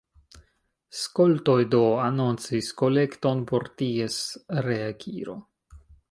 Skoltoj do anoncis kolekton por ties reakiro.